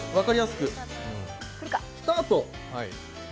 スタート。